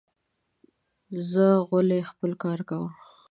ځه غولی خپل کار کوه